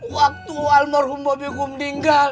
waktu almarhum babi kum tinggal